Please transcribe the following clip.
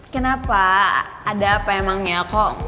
kenapa ada apa emangnya kok